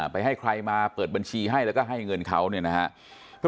ไปให้ใครมาเปิดบัญชีให้แล้วก็ให้เงินเขาเนี่ยนะครับ